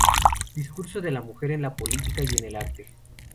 Discurso de la mujer en la política y en el arte".